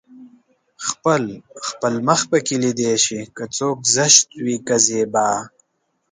خپل خپل مخ پکې ليده شي که څوک زشت وي که زيبا